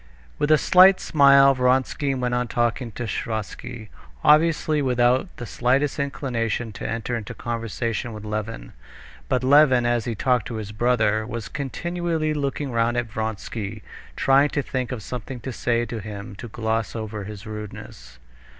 With a slight smile Vronsky went on talking to Sviazhsky, obviously without the slightest inclination to enter into conversation with Levin. But Levin, as he talked to his brother, was continually looking round at Vronsky, trying to think of something to say to him to gloss over his rudeness.